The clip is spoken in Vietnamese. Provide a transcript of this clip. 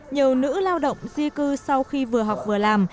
nhiều nữ lao động di cư sau khi vừa học vừa làm